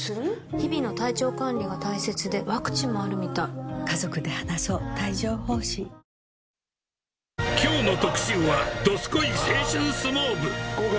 日々の体調管理が大切でワクチンもあるみたいきょうの特集は、合格！